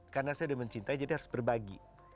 karena saya udah mencintai jadi harus berbagi